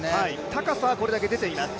高さはこれだけ出ています。